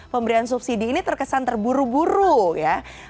pemberian subsidi ini terkesan terburu buru ya